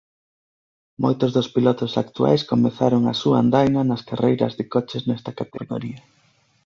Moitos dos pilotos actuais comezaron as súa andaina nas carreiras de coches nesta categoría.